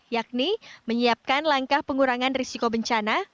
yakni menyiapkan langkah pengurangan risiko bencana